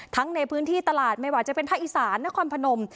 ในพื้นที่ตลาดไม่ว่าจะเป็นภาคอีสานนครพนม